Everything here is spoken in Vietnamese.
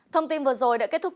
thông tin vừa rồi đã kết thúc